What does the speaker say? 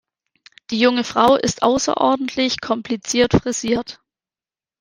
Die junge Frau ist außerordentlich kompliziert frisiert.